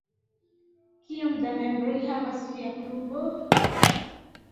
Kiom da membroj havas via klubo?